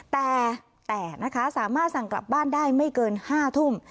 แต่แต่นะคะสามารถสั่งกลับบ้านได้ไม่เกิน๕ทุ่ม